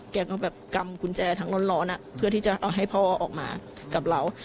แกก็แบบกำกุญแจทั้งร้อนเพื่อที่จะเอาให้พ่อออกมากับเรา